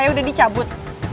saya udah dicabut